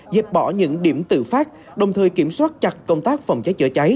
dẹp bỏ những điểm tự phát đồng thời kiểm soát chặt công tác phòng cháy chữa cháy